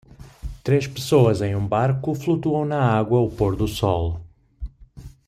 Três pessoas em um barco flutuam na água ao pôr do sol.